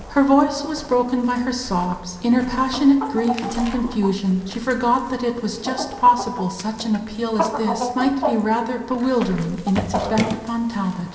Her voice was broken by her sobs. In her passionate grief and confusion she forgot that it was just possible such an appeal as this might be rather bewildering in its effect upon Talbot.